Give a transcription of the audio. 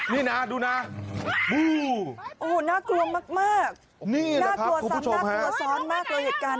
นี่นะดูนะบูววว